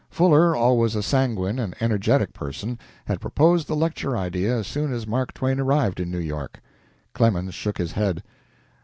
Fuller, always a sanguine and energetic person, had proposed the lecture idea as soon as Mark Twain arrived in New York. Clemens shook his head.